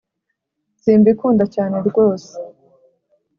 simbikunda cyane rwose.